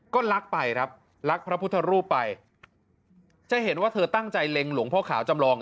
ก็รักไปครับรักพระพุทธรูปไปจะเห็นว่าเธอตั้งใจเล็งหลวงพ่อขาวจำลอง